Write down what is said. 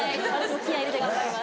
気合入れて頑張ります。